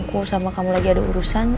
aku sama kamu lagi ada urusan